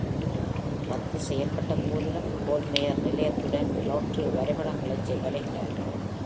ரத்து செய்யப்பட்ட போதிலும், கோல்மேயர் நிலையத்துடன் லாட்டரி வரைபடங்களைச் வரைகிறார்.